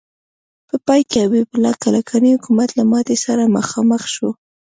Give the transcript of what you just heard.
په پای کې حبیب الله کلکاني حکومت له ماتې سره مخامخ شو.